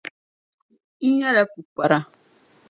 N nyɛla pukpara.